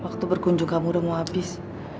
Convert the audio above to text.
waktu berkunjung kamu udah mau habis